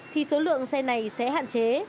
thì số lượng xe này sẽ hạn chế